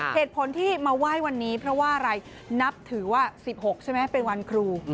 เหตุผลที่มาไหว้วันนี้เพราะว่าอะไรนับถือว่า๑๖ใช่ไหมเป็นวันครู